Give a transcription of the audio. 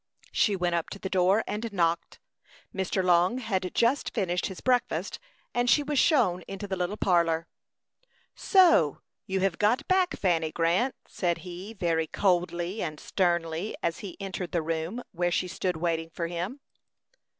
She went up to the door and knocked. Mr. Long had just finished his breakfast, and she was shown into the little parlor. "So you have got back, Fanny Grant," said he, very coldly and sternly, as he entered the room where she stood waiting for him.